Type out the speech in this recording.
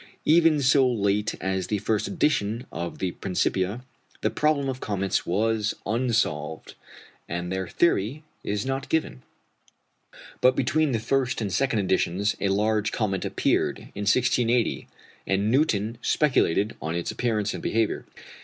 Even so late as the first edition of the Principia the problem of comets was unsolved, and their theory is not given; but between the first and the second editions a large comet appeared, in 1680, and Newton speculated on its appearance and behaviour.